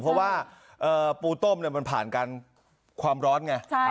เพราะว่าปูต้มมันผ่านการความร้อนไง